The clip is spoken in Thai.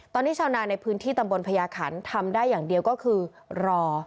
ตอนนี้ชาวนาในพื้นที่ตำบลพญาขันทำได้อย่างเดียวก็คือรอ